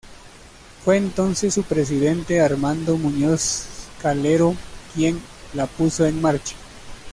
Fue entonces su presidente Armando Muñoz Calero quien la puso en marcha.